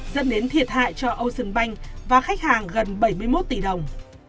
dẫn đến thiệt hại cho ocean bank và khách hàng gần bảy mươi một tỷ đồng